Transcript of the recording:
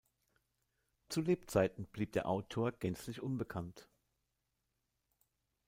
Zu Lebzeiten blieb der Autor gänzlich unbekannt.